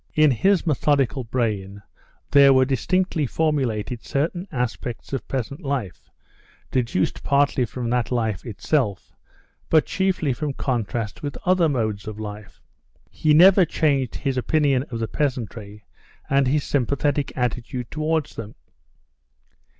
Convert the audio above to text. In his methodical brain there were distinctly formulated certain aspects of peasant life, deduced partly from that life itself, but chiefly from contrast with other modes of life. He never changed his opinion of the peasantry and his sympathetic attitude towards them.